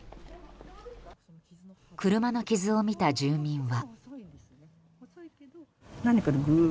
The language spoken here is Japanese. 車の傷を見た住民は。